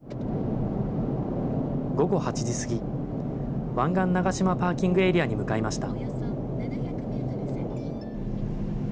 午後８時過ぎ、湾岸長島パーキングエリアに向かいました。